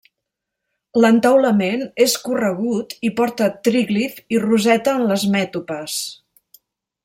L'entaulament és corregut i porta tríglif i roseta en les mètopes.